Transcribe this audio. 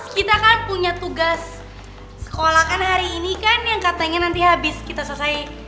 kita belajar mungkin aku terus